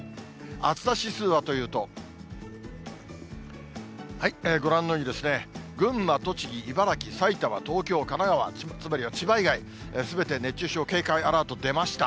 暑さ指数はというと、ご覧のように、群馬、栃木、茨城、埼玉、東京、神奈川、つまりは千葉以外、すべて熱中症警戒アラート出ました。